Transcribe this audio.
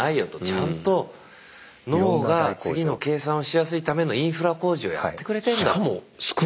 ちゃんと脳が次の計算をしやすいためのインフラ工事をやってくれてんだ。